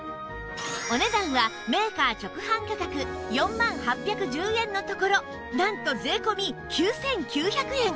お値段はメーカー直販価格４万８１０円のところなんと税込９９００円